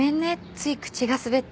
つい口が滑って。